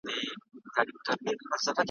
که تعویذ د چا مشکل آسانولای `